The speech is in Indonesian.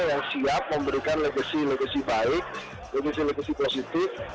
yang siap memberikan legacy legacy baik legacy legacy positif